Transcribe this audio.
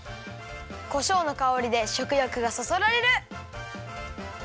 こしょうのかおりでしょくよくがそそられる！